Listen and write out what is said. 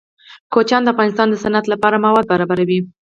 کوچیان د افغانستان د صنعت لپاره مواد برابروي.